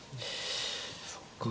そっか。